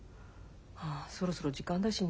そろそろ時間だしね。